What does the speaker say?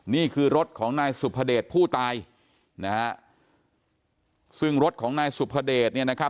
นี่คือรถของนายสุภเดชผู้ตายนะฮะซึ่งรถของนายสุภเดชเนี่ยนะครับ